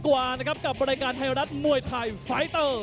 สวัสดีครับทายุรัฐมวยไทยไฟตเตอร์